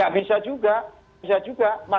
tidak bisa juga